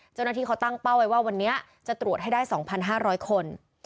เจ้าหน้าที่เขาตั้งเป้าไว้ว่าวันนี้จะตรวจให้ได้๒๕๐๐คน